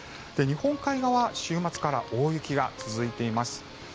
日本海側、週末から大雪が続いています。